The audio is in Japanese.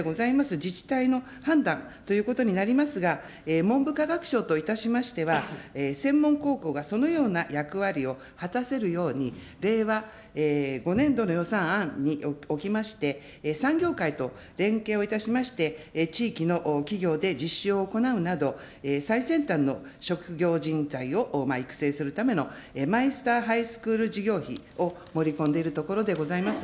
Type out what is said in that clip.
自治体の判断ということになりますが、文部科学省といたしましては、専門高校がそのような役割を果たせるように、令和５年度の予算案におきまして、産業界と連携をいたしまして、地域の企業で実施を行うなど、最先端の職業人材を育成するためのマイスターハイスクール事業費を盛り込んでいるところでございます。